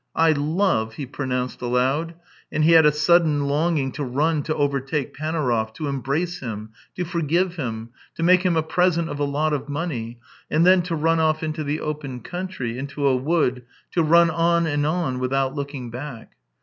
" I love !" he pronounced aloud, and he had a sudden longing to run to overtake Panaurov, to embrace him. to forgive him, to make him a present of a lot of money, and then to run off into the open country, into a wood, to run on and on without looking back.